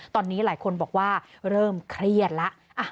ตอนนี้หลายคนบอกว่าเริ่มเครียดแล้ว